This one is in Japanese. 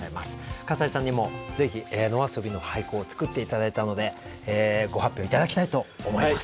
笠井さんにもぜひ「野遊」の俳句を作って頂いたのでご発表頂きたいと思います。